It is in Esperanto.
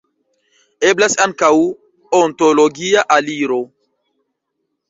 Eblas ankaŭ ontologia aliro.